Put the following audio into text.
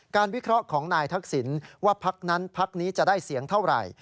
วิเคราะห์ของนายทักษิณว่าพักนั้นพักนี้จะได้เสียงเท่าไหร่